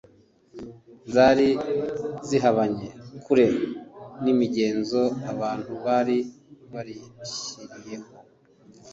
zari zihabanye kure n’imigenzo abantu bari barishyiriyeho